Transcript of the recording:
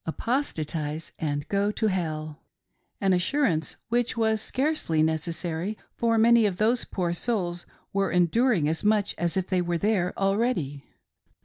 would "apostatise and go to hell;" — an assurance which was scarcely necessary, for many of those poor souls were endur ing as much as if they were there already.